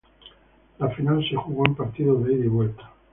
La final se jugó en partidos de ida y vuelta.